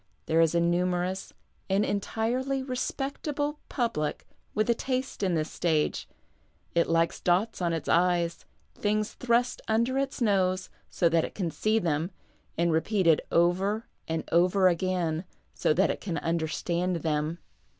"' There is a numerous, and entirely respectable, public with a taste in this stage ; it likes dots on its i's, things thrust under its nose, so that it can see them, and repeated over and over again, so that it can under stand them.